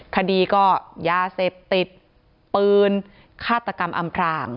คดีก็ยาเสพติดปืนฆาตกรรมอำพราง